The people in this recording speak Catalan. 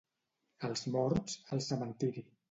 Als morts, al cementiri.